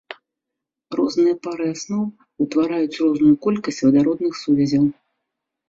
Розныя пары асноў утвараюць розную колькасць вадародных сувязяў.